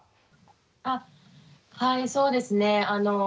あっはいそうですね。